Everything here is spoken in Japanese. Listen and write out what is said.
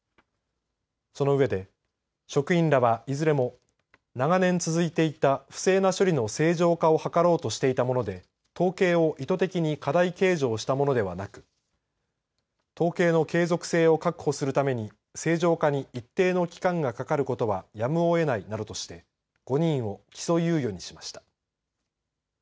その上で職員らは、いずれも長年続いていた不正な処理の正常化を図ろうとしていたもので統計を意図的に過大計上したものではなく統計の継続性を確保するために正常化に一定の期間がかかることはやむをえないなどとして５人を起訴猶予にしました。